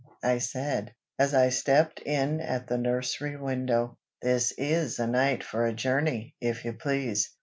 I said, as I stepped in at the nursery window. "This is a night for a journey, if you please.